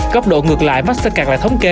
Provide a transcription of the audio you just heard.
góc độ ngược lại mắc sát cạt lại thống kê